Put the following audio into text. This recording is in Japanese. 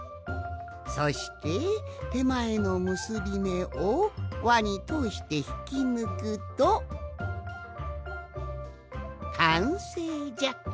そしててまえのむすびめをわにとおしてひきぬくとかんせいじゃ。